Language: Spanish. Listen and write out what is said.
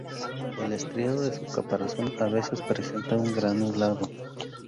El estriado de su caparazón a veces presenta un granulado.